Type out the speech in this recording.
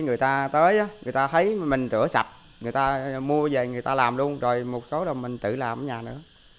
người ta tới người ta thấy mình rửa sạch người ta mua về người ta làm luôn rồi một số rồi mình tự làm ở nhà nữa